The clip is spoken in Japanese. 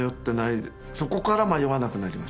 そこから迷わなくなりました。